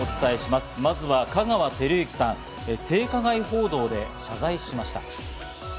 まずは香川照之さん、性加害報道で謝罪しました。